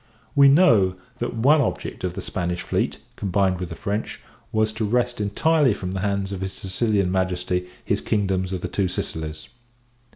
We know, that one object of the Spanish fleet, combined with the French, was to wrest entirely from the hands of his Sicilian Majesty his kingdoms of the Two Sicilies.